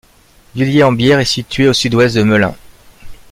Villiers-en-Bière est située à au sud-ouest de Melun.